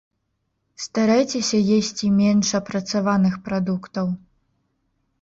Старайцеся есці менш апрацаваных прадуктаў.